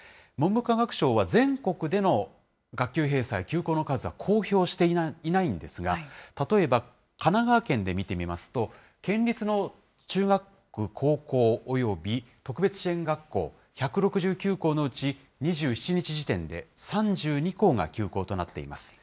文部科学省は全国での学級閉鎖や休校の数は公表していないんですが、例えば神奈川県で見てみますと、県立の中学校、高校、および特別支援学校１６９校のうち２７日時点で３２校が休校となっています。